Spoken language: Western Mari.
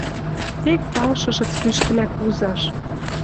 Тек палшышыц кӱшкӹлӓ кузаш